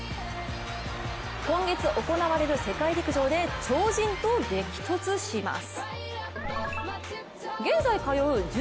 今月行われる世界陸上で超人と激突します。